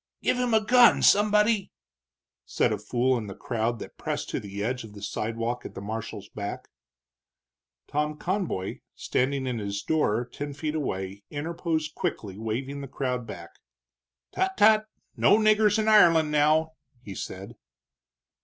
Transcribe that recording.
"Give him a gun, somebody!" said a fool in the crowd that pressed to the edge of the sidewalk at the marshal's back. Tom Conboy, standing in his door ten feet away, interposed quickly, waving the crowd back. "Tut, tut! No niggers in Ireland, now!" he said.